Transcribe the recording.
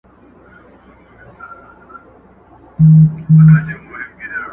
• د سترګو کي ستا د مخ سُرخي ده.